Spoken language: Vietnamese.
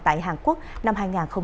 tại hàn quốc năm hai nghìn hai mươi ba